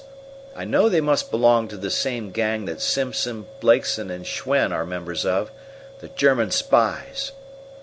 I know they must belong to the same gang that Simpson, Blakeson, and Schwen are members of the German spies."